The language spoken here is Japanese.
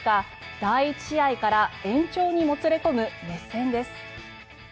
第１試合から延長にもつれ込む熱戦です。